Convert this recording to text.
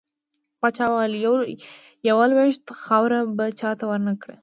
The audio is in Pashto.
پاچا وويل: يوه لوېشت خاوړه به چاته ورنه کړه .